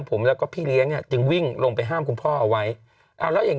ผมแล้วก็พี่เลี้ยงเนี่ยจึงวิ่งลงไปห้ามคุณพ่อเอาไว้เอาแล้วอย่าง